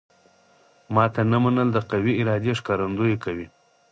ماته نه منل د قوي ارادې ښکارندوی کوي